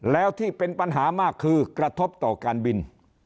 แล้วที่เป็นปัญหามากคือกระทบต่อการบิน